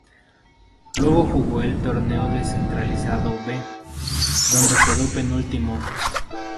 Luego jugó el Torneo Descentralizado "B", donde quedó penúltimo.